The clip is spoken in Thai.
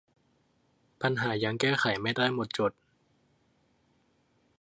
ปัญหายังแก้ไขไม่ได้หมดจด